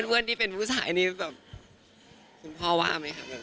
เพื่อนที่เป็นผู้ชายนี่แบบคุณพ่อว่าไหมครับ